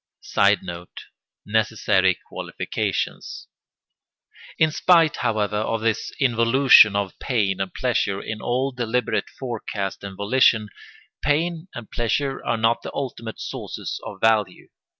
[Sidenote: Necessary qualifications.] In spite, however, of this involution of pain and pleasure in all deliberate forecast and volition, pain and pleasure are not the ultimate sources of value.